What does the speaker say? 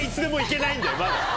まだ。